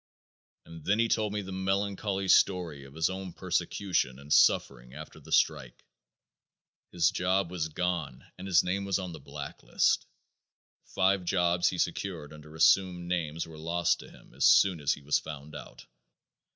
And then he told me the melancholy story of his own persecution and suffering after the strike. His job was gone and his name was on the blacklist. Five jobs he secured under assumed names were lost to him as soon as he was found out.